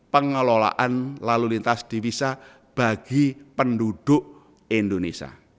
pengelolaan lalu lintas divisa bagi penduduk indonesia